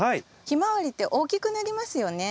ヒマワリって大きくなりますよね。